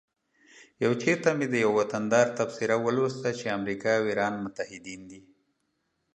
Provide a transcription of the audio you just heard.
یو چیرته مې د یوه وطندار تبصره ولوسته چې امریکا او ایران متعهدین دي